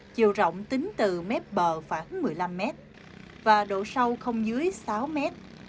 chiều rộng tính từ mép bờ khoảng một mươi năm mét và độ sâu không dưới sáu mét